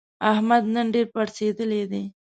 احمد نن ډېر پړسېدلی دی.